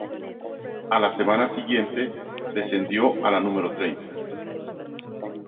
A la semana siguiente, descendió a la número treinta.